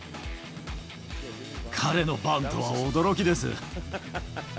彼のバントは驚きです。